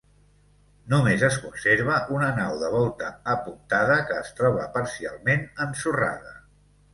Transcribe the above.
Només es conserva una nau de volta apuntada, que es troba parcialment ensorrada.